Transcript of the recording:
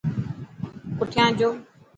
پٺيان جو.